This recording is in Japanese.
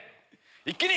一気に！